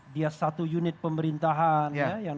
dia satu unit pemerintahan